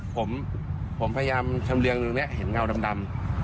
ผมพยายามทำเรืองนึงเนี่ยเห็นเงาดำ